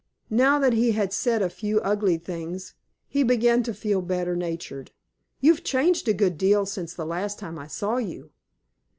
Now that he had said a few ugly things, he began to feel better natured. "You've changed a good deal since the last time I saw you."